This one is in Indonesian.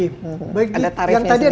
ada tarifnya sendiri